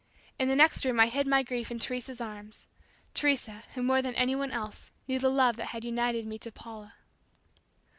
In the next room I hid my grief in Teresa's arms Teresa, who more than anyone else, knew the love that had united me to Paula.